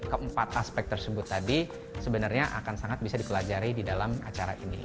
keempat aspek tersebut tadi sebenarnya akan sangat bisa dipelajari di dalam acara ini